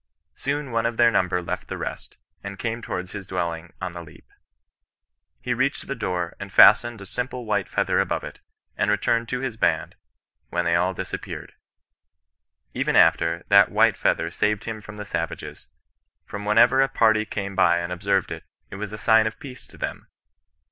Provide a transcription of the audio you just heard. Soon one of their number left the rest, and came towards his dwelling on the leap. He reached the door, and fastened a simple white feather above it, and returned to his band, when they all disappeared. Ever after, that white fea ther saved him from the savages ; for whenever a party came by and observed it, it was a sign of peace to them.